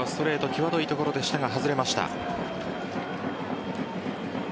際どいところでしたが外れました。